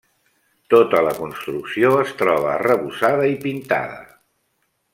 Tota la construcció es troba arrebossada i pintada.